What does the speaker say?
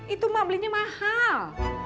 itu mak belinya mahal